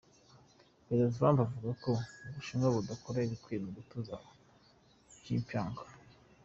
Prezida Trump avuga ko Ubushinwa budakora ibikwiye mu gutuza Pyongyang.